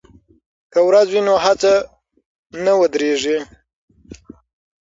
که ورځ وي نو هڅه نه ودریږي.